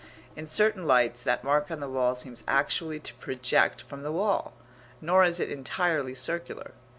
In certain lights that mark on the wall seems actually to project from the wall. Nor is it entirely circular.